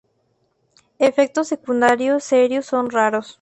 Efectos secundarios serios son raros.